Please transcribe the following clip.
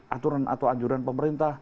aturan atau anjuran pemerintah